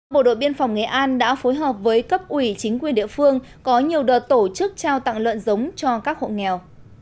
bộ đội biên phòng nghệ an đã phối hợp với cấp ủy chính quyền địa phương có nhiều đợt tổ chức trao tặng lợn giống cho các hộ nghèo